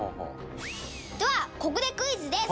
「ではここでクイズです」